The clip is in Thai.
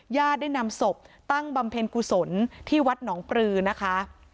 ญาติได้นำศพตั้งบำเพ็ญกุศลที่วัดหนองปลือนะคะ